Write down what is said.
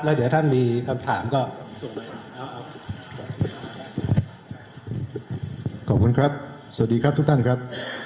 แล้วเดี๋ยวท่านมีคำถามก็ขอบคุณครับสวัสดีครับทุกท่านครับ